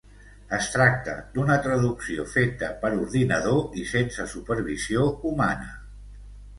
Es tracta d’una traducció feta per ordinador i sense supervisió humana.